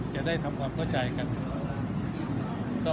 จะได้ทำความเข้าใจกัน